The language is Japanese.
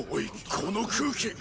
この空気。